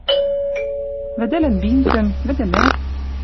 Вӹдӹлӹн бинтӹм. Вӹдӹмӓт